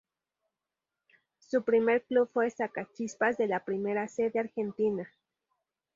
Su primer club fue Sacachispas de la Primera C de Argentina.